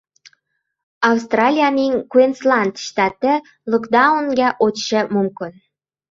Avstraliyaning Queensland shtati "lockdown"ga o‘tishi mumkin.